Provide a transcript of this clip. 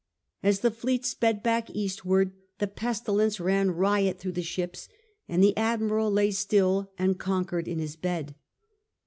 As the fleet sped back east ward the pestilence ran riot through the ships, and the Admiral lay still and conquered in his bed.